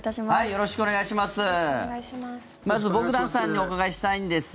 よろしくお願いします。